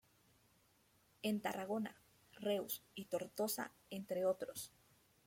En Tarragona, Reus y Tortosa, entre otros.